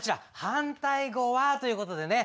「反対語は？」という事でね。